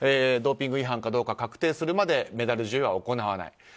ドーピング違反かどうか確定するまでメダル授与は行わない。